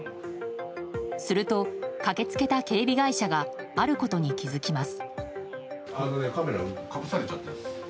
すると、駆け付けた警備会社があることに気づきます。